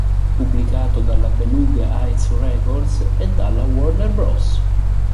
Pubblicato dalla Beluga Heights Records e dalla Warner Bros.